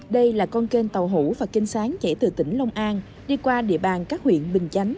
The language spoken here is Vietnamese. đây là con kênh tàu hủ và kênh sáng chảy từ tỉnh long an đi qua địa bàn các huyện bình chánh